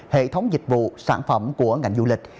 hệ thống dịch vụ sản phẩm của ngành du lịch